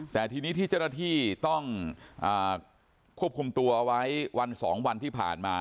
แต่ทีนี้ที่เจ้าหน้าที่ต้องควบคุมตัวเอาไว้วัน๒วันที่ผ่านมา